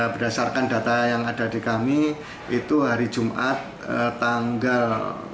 berdasarkan data yang ada di kami itu hari jumat tanggal